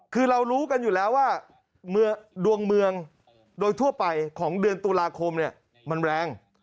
คือเรารู้กันอยู่แล้วว่าดวงเมืองโดยทั่วไปของเดือนตุลาคมมันแรง